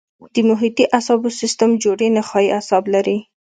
د محیطي اعصابو سیستم جوړې نخاعي اعصاب لري.